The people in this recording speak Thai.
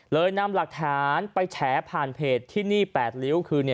นำหลักฐานไปแฉผ่านเพจที่นี่๘ริ้วคือ